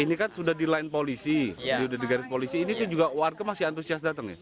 ini kan sudah di line polisi ini juga warga masih antusias datang ya